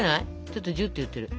ちょっとジュッと言ってる。